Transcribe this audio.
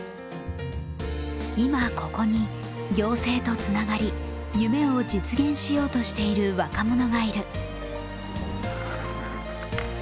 今ここに、行政とつながり夢を実現しようとしている若者がいる。